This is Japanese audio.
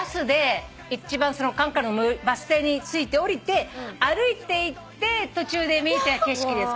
カンカルのバス停に着いて降りて歩いていって途中で見えた景色です